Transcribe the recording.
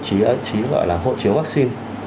để được dùng gọi là thậm chí gọi là hộ chiếu vaccine